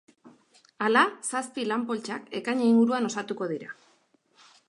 Hala, zazpi lan-poltsak ekaina inguruan osatuko dira.